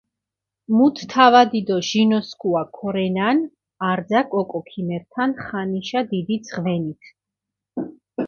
მუთ თავადი დო ჟინოსქუა ქორენან, არძაქ ოკო ქიმერთან ხანიშა დიდი ძღვენით.